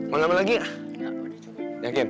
mau nambah lagi gak